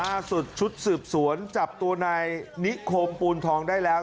ล่าสุดชุดสืบสวนจับตัวในนิโคมปูนทองได้แล้ว